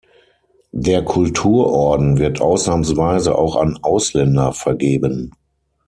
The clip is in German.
Der Kulturorden wird ausnahmsweise auch an Ausländer vergeben.